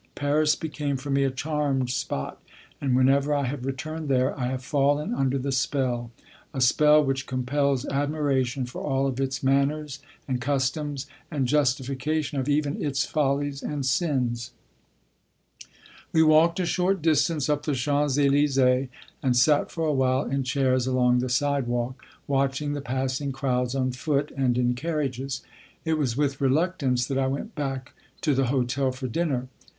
Paris became for me a charmed spot, and whenever I have returned there, I have fallen under the spell, a spell which compels admiration for all of its manners and customs and justification of even its follies and sins. We walked a short distance up the Champs Élysées and sat for a while in chairs along the sidewalk, watching the passing crowds on foot and in carriages. It was with reluctance that I went back to the hotel for dinner.